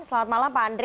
selamat malam pak andre